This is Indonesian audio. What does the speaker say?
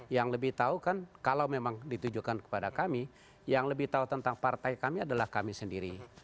yang lebih tahu kan kalau memang ditujukan kepada kami yang lebih tahu tentang partai kami adalah kami sendiri